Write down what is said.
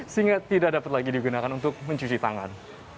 sehingga tidak dapat lagi digunakan untuk mencuci tangan